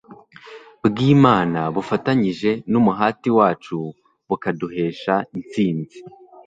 bwImana bufatanyije numuhati wacu bukaduhesha intsinzi